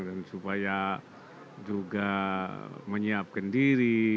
dan supaya juga menyiapkan diri